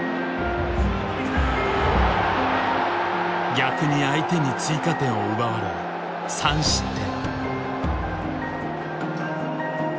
逆に相手に追加点を奪われ３失点。